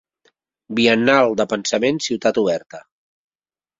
Biennal de pensament Ciutat Oberta.